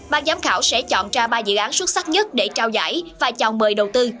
ban giám khảo sẽ chọn ra ba dự án xuất sắc nhất để trao giải và chào mời đầu tư